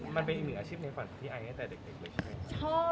มันเป็นอีกหนึ่งอาชีพในฝันของพี่ไอตั้งแต่เด็กเลยใช่ไหม